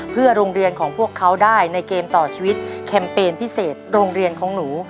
เพื่อโรงเรียนของพวกเขาได้ในเกมต่อชีวิตแคมเปญพิเศษโรงเรียนของหนู